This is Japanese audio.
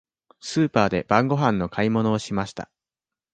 スーパーで晩ごはんの買い物をしました。